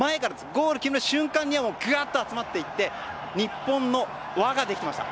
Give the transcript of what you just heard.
ゴール決める瞬間にはガッと集まって行って日本の輪が出てきていました。